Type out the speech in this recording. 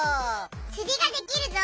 釣りができるぞ！